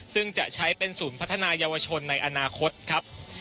ซึ่งจะใช้เป็นศูนย์พัฒนายาวชนในอนาคตครับ